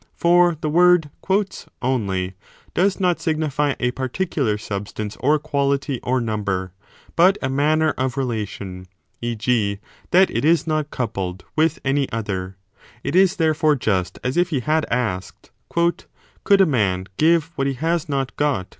For the word only does not signify a particular substance or quality or number, i78 b but a manner of relation, e. g. that it is not coupled with any other. It is therefore just as if he had asked Could a man give what he has not got